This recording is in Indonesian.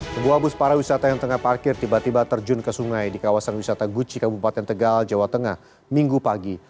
sebuah bus para wisata yang tengah parkir tiba tiba terjun ke sungai di kawasan wisata guci kabupaten tegal jawa tengah minggu pagi